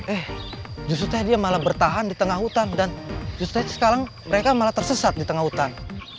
eh justru dia malah bertahan di tengah hutan dan justru sekarang mereka malah tersesat di tengah hutan